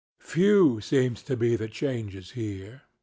Few seemed to be the changes here.